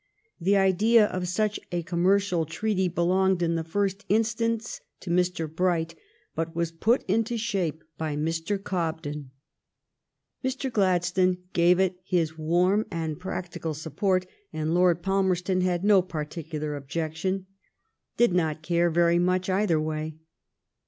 The idea of such a commercial treaty belonged in the first in stance to Mr. Bright, but was put into shape by Mr, Cobden. Mr. Gladstone RicKAuii con.ii N gave it his warm (F™.n=id.,«™,,(, ^„j practical support, and Lord Palmerston had no particular ob jection ; did not care very much either way.